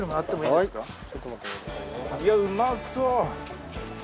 いやうまそう。